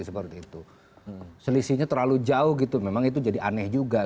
selisihnya terlalu jauh gitu memang itu jadi aneh juga